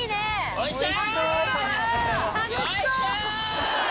よいしょ！